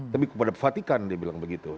tapi kepada fatikan dia bilang begitu